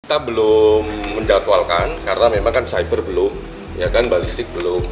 kita belum menjatuhalkan karena memang kan cyber belum ya kan balistik belum